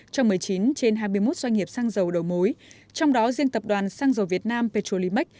cho một mươi chín trên hai mươi một doanh nghiệp xăng dầu đầu mối trong đó riêng tập đoàn xăng dầu việt nam petrolimax